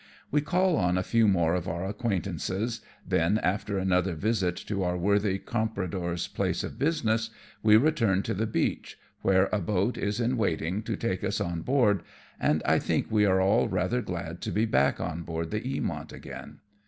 We call on a few more of our acquaintances, then after another visit to our worthy compradore's place of business, we return to the beach, where a boat is in waiting to take us on board, and I think we are all rather glad to be back on board the Eamont again.